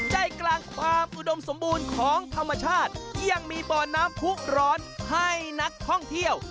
ใจกลางความอุดมสมบูรณ์ของธรรมชาติยังมีบ่อน้ำผู้ร้อนให้นักท่องเที่ยว